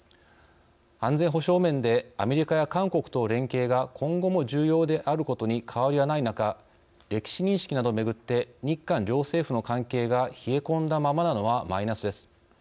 安全保障面でアメリカや韓国との連携が今後も重要であることに変わりはない中歴史認識などをめぐって日韓両政府の関係が冷え込んだままなのはマイナスです。